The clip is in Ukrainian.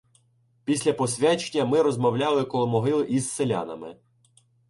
Після посвячення ми розмовляли коло могили із селянами.